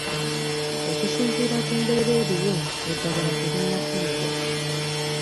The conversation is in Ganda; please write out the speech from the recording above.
Okusinziira ku mbeera eriwo eddagala terinnafunibwa.